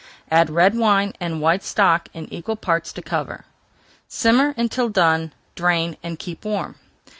Add red wine and white stock in equal parts to cover. Simmer until done, drain, and keep warm.